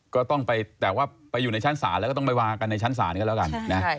ก็ต้องไปแต่ว่าไปอยู่ในชั้นศาลแล้วก็ต้องไปวางกันในชั้นศาลกันแล้วกันนะ